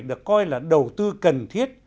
được coi là đầu tư cần thiết